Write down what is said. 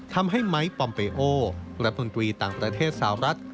ทำให้ไม้ปอมเปโอรัฐมนตรีต่างประเทศสาวรัฐ